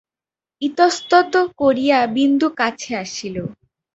ইতস্তত করিয়া বিন্দু কাছে আসিল।